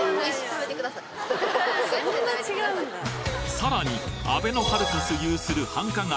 さらにあべのハルカス有する繁華街